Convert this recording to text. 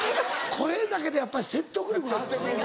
声だけでやっぱり説得力。